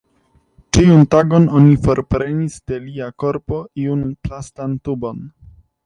Ĉiun tagon oni forprenis de lia korpo iun plastan tubon.